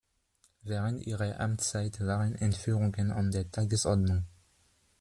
Während Ihrer Amtszeit waren Entführungen an der Tagesordnung.